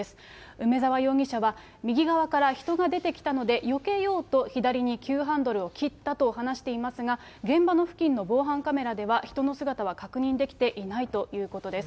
梅沢容疑者は、右側から人が出てきたのでよけようと左に急ハンドルを切ったと話していますが、現場の付近の防犯カメラでは、人の姿は確認はできていないということです。